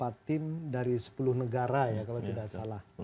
ada empat puluh empat tim dari sepuluh negara ya kalau tidak salah